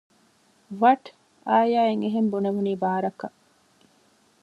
ވަޓް؟ އާޔާ އަށް އެހެން ބުނެވުނީ ބާރަކަށް